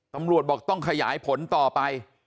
ตำรวจบอกต้องขยายผลต่อไป